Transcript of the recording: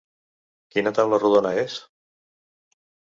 Quina taula rodona és?